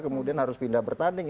kemudian harus pindah bertanding